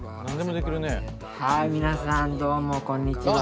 はい皆さんどうもこんにちは。